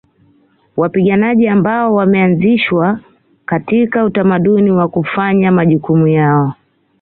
Wapiganaji ambao wameanzishwa katika utamaduni wa kufanya majukumu yao